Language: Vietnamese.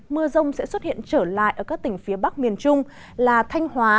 mưa rông sẽ xuất hiện trở lại ở các tỉnh phía bắc miền trung là thanh hóa